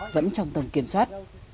vẫn trong tầng kiểm soát